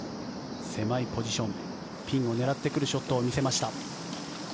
狭いポジションピンを狙ってくるショットを見せました。